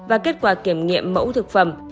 và kết quả kiểm nghiệm mẫu thực phẩm